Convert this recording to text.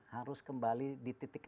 harus kembali di titik